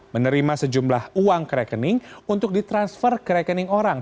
menerima sejumlah uang ke rekening untuk ditransfer ke rekening orang